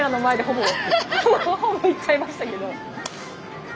ほぼ言っちゃいましたけど。